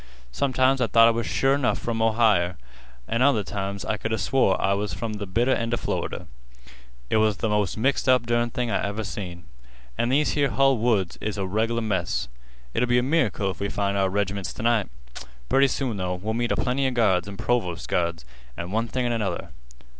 Sometimes I thought I was sure 'nough from Ohier, an' other times I could 'a swore I was from th' bitter end of Florida. It was th' most mixed up dern thing I ever see. An' these here hull woods is a reg'lar mess. It'll be a miracle if we find our reg'ments t' night. Pretty soon, though, we'll meet a plenty of guards an' provost guards, an' one thing an' another.